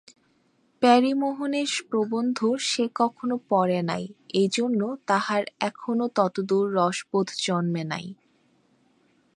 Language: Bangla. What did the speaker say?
প্যারীমোহনের প্রবন্ধ সে কখনো পড়ে নাই এই জন্য তাহার এখনও ততদূর রসবোধ জন্মে নাই।